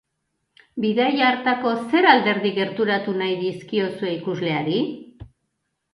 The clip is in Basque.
Bidaia hartako zer alderdi gerturatu nahi dizkiozue ikusleari?